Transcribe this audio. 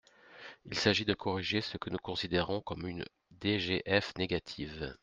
Il s’agit de corriger ce que nous considérons comme une « DGF négative ».